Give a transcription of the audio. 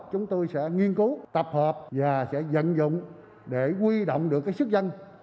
chúng tôi sẽ nghiên cứu tập hợp và sẽ dận dụng để quy động được sức dân